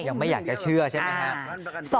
ยังไม่อยากจะเชื่อใช่ไหมครับ